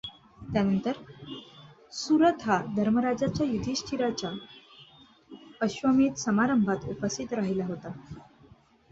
त्यानंतर सुरथ हा धर्मराजाच्या युधिष्ठिराच्या अश्वमेधसमारंभात उपस्थित राहिला होता.